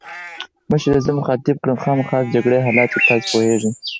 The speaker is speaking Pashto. مشرې یې زه مخاطب کړم: خامخا د جګړې حالات دي، تاسي هم پوهېږئ.